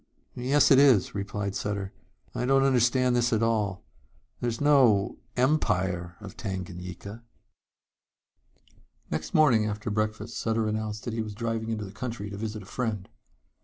"Yes, it is," replied Sutter. "I don't understand this at all. There's no Empire of Tanganyika." Next morning after breakfast Sutter announced that he was driving into the country to visit a friend.